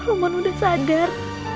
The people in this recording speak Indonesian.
romann udah sadar